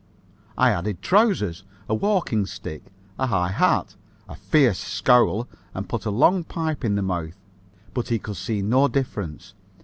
I added trousers, a walking stick, a high hat, a fierce scowl and put a long pipe in the mouth, but he could see no difference.